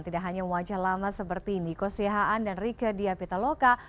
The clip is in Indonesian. tidak hanya wajah lama seperti niko sihhaan dan rike diapitaloka